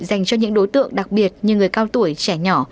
dành cho những đối tượng đặc biệt như người cao tuổi trẻ nhỏ